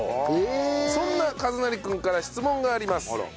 そんな和雅くんから質問があります。